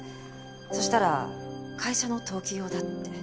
そしたら会社の登記用だって。